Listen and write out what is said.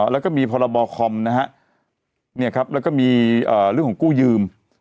แล้วก็มีพรบคอมนะฮะแล้วก็มีเรื่องของกู้ยืม